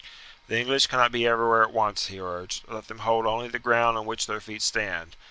"The English cannot be everywhere at once," he urged. "Let them hold only the ground on which their feet stand.